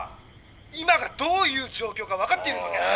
今がどういう状況か分かっておられるのですか？」。